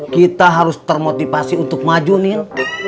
kita harus termotivasi untuk maju nih